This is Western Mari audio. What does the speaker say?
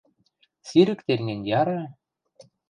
– Сирӹктен гӹнь, яра...